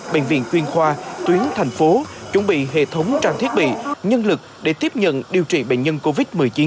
bệnh viện tuyên khoa tuyến thành phố chuẩn bị hệ thống trang thiết bị nhân lực để tiếp nhận điều trị bệnh nhân covid một mươi chín